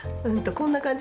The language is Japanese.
こんな感じ？